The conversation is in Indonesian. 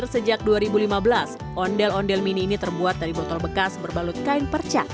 sejak dua ribu lima belas ondel ondel mini ini terbuat dari botol bekas berbalut kain perca